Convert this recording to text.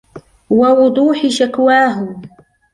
وَوُضُوحِ شَكْوَاهُ